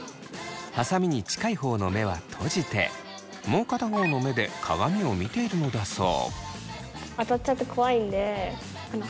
はさみに近い方の目は閉じてもう片方の目で鏡を見ているのだそう。